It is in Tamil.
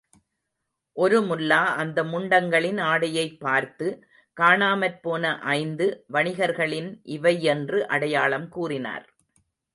ஒரு முல்லா அந்த முண்டங்களின் ஆடையைப் பார்த்து, காணாமற்போன ஐந்து, வணிகர்களின் இவை யென்று அடையாளம் கூறினார்.